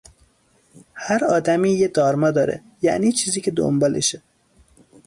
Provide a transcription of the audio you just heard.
هر آدمی یه دارما داره، یعنی چیزی که دنبالشه